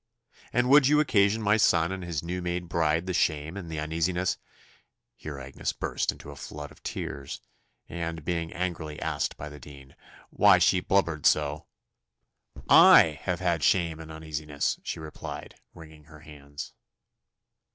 "And would you occasion my son and his new made bride the shame and the uneasiness " Here Agnes burst into a flood of tears; and being angrily asked by the dean "why she blubbered so " "I have had shame and uneasiness," she replied, wringing her hands.